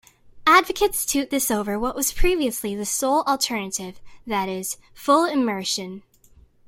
Advocates tout this over what was previously the sole alternative, that is, full immersion.